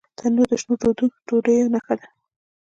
تنور د شنو ډوډیو نښه ده